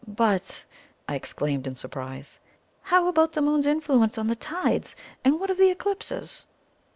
"But," I exclaimed in surprise, "how about the Moon's influence on the tides? and what of eclipses?"